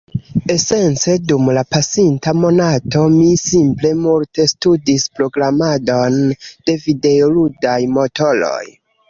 esence dum la pasinta monato mi simple multe studis programadon de videoludaj motoroj.